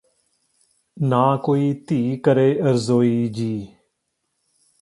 ਨਾ ਕੋਈ ਧੀ ਕਰੇ ਅਰਜ਼ੋਈ ਜੀ